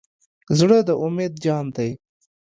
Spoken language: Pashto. زړه د امید جام دی.